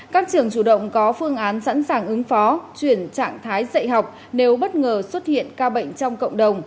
các trường chủ động có phương án sẵn sàng ứng phó chuyển trạng thái dạy học nếu bất ngờ xuất hiện ca bệnh trong cộng đồng